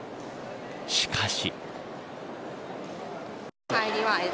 しかし。